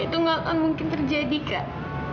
itu gak akan mungkin terjadi kak